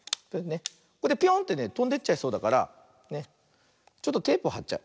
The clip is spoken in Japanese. ピョーンってねとんでっちゃいそうだからちょっとテープをはっちゃう。